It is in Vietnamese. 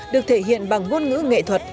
được thể hiện bằng ngôn ngữ nghệ thuật